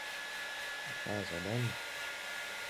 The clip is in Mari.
— А заданий!